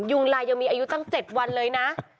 งลายยังมีอายุตั้ง๗วันเลยนะ